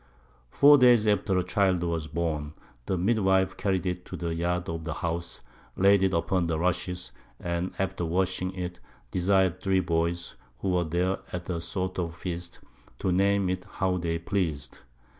Four Days after a Child was born, the Midwife carried it to the Yard of the House, laid it upon Rushes, and after washing it, desir'd 3 Boys, who were there at a sort of Feast, to name it how they pleas'd.